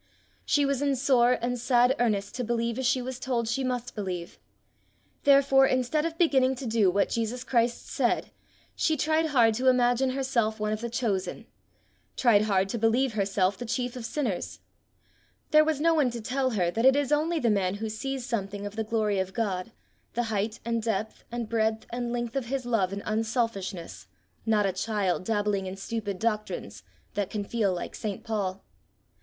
She was in sore and sad earnest to believe as she was told she must believe; therefore instead of beginning to do what Jesus Christ said, she tried hard to imagine herself one of the chosen, tried hard to believe herself the chief of sinners. There was no one to tell her that it is only the man who sees something of the glory of God, the height and depth and breadth and length of his love and unselfishness, not a child dabbling in stupid doctrines, that can feel like St. Paul.